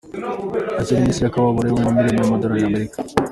Yasevye indihsi y’akababaro y’umuliyoni w’amadolari y’Amerika.